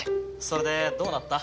それでどうなった？